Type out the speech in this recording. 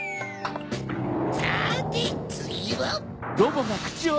さてつぎは！